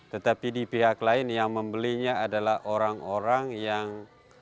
tetapi di pihak lain yang membelinya adalah orang orang yang